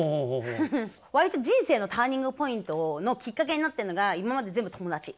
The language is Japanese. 割と人生のターニングポイントのきっかけになってるのが今まで全部友達。